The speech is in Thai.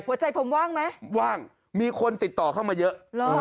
หัวใจผมว่างไหมว่างมีคนติดต่อเข้ามาเยอะ